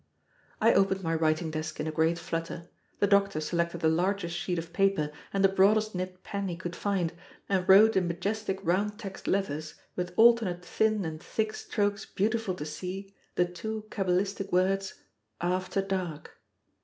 I opened my writing desk in a great flutter. The doctor selected the largest sheet of paper and the broadest nibbed pen he could find, and wrote in majestic round text letters, with alternate thin and thick strokes beautiful to see, the two cabalistic words AFTER DARK.